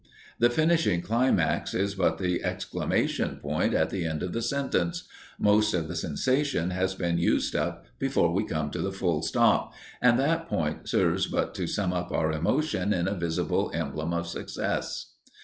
The finishing climax is but the exclamation point at the end of the sentence most of the sensation has been used up before we come to the full stop, and that point serves but to sum up our emotion in a visible emblem of success.